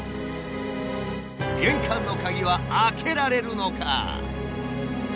玄関の鍵は開けられるのか？